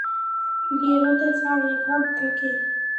বেরোতে চাই এখান থেকে।